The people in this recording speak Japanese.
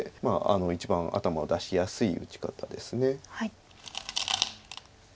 一番頭を出しやすい打ち方です。